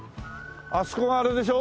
あそこがあれでしょ？